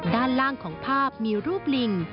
ด้านล่างของภาพมีรูปลิง